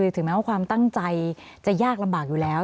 ถึงแม้ว่าความตั้งใจจะยากลำบากอยู่แล้ว